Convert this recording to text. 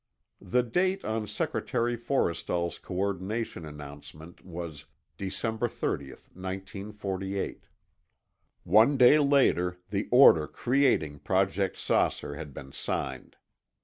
The date on Secretary Forrestal's co ordination announcement was December 30, 1948. One day later, the order creating Project "Saucer" had been signed.